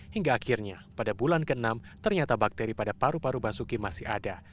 hingga akhirnya pada bulan ke enam ternyata bakteri pada paru paru basuki masih ada